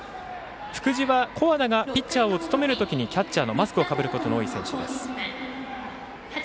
福地は、古和田がピッチャーを務めるときにキャッチャーがマスクをかぶることが多い選手です。